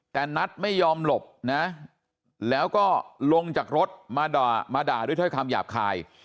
แต่นัทไม่ยอมหลบนะแล้วก็ลงจากรถมาด่าด้วยถ้อยคำหยาบคาย